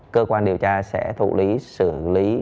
cơ quan điều tra sẽ thụ lý xử lý